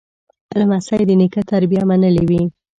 لمسی د نیکه تربیه منلې وي.